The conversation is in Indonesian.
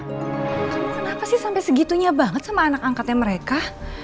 kenapa sih sampai segitunya banget sama anak angkatnya mereka